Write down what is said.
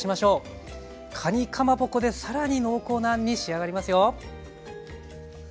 かにかまぼこで更に濃厚なあんに仕上がりますよ。